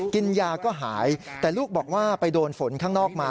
กินยาก็หายแต่ลูกบอกว่าไปโดนฝนข้างนอกมา